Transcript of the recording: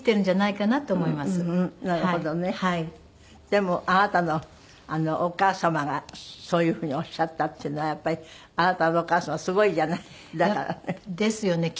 でもあなたのお母様がそういう風におっしゃったっていうのはやっぱりあなたのお母様すごいじゃない？だからね。ですよね。